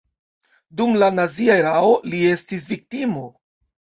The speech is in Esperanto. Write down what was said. Dum la nazia erao li estis viktimo.